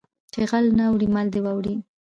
ـ چې غل نه اوړي مل دې واوړي .